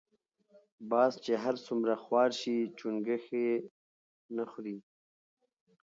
باز چی هر څومره خوار شی چونګښی نه خوري .